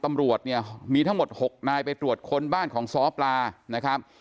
ตำรวจเนี่ยมีทั้งหมด๖นายไปตรวจค้นบ้านของซ้อปลานะครับ